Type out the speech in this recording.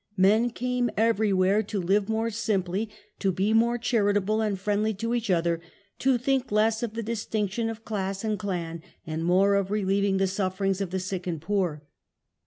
Men came everywhere to live more simply, to be more charitable and friendly to each .other, to think less of the distinction of class and clan and more of relieving the suflfenngs of the sick and poor.